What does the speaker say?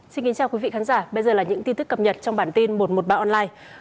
xin kính chào quý vị khán giả bây giờ là những tin tức cập nhật trong bản tin một trăm một mươi ba online